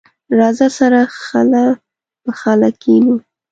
راځه، سره خله په خله کېنو.